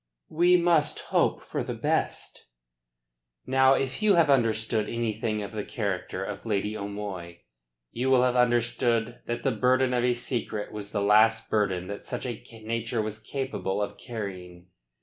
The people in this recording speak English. "We must hope for the best." Now if you have understood anything of the character of Lady O'Moy you will have understood that the burden of a secret was the last burden that such a nature was capable of carrying.